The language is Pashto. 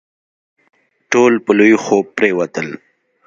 ټول په لوی خوب پرېوتل.